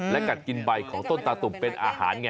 และกัดกินใบของต้นตาตุ่มเป็นอาหารไง